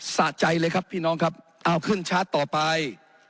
สะใจเลยครับพี่น้องครับเอาขึ้นชาร์จต่อไป